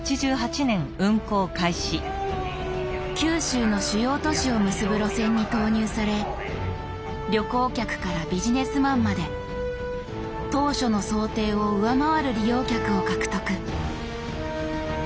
九州の主要都市を結ぶ路線に投入され旅行客からビジネスマンまで当初の想定を上回る利用客を獲得。